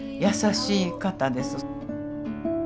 優しい方です。